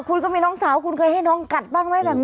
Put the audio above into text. คุณก็มีน้องสาวคุณเคยให้น้องกัดบ้างไหมแบบนี้